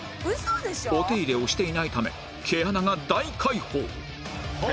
お手入れをしていないため毛穴が大開放はあ。